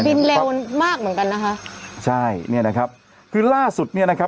เร็วมากเหมือนกันนะคะใช่เนี่ยนะครับคือล่าสุดเนี้ยนะครับ